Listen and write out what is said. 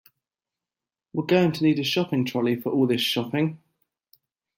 We're going to need a shopping trolley for all this shopping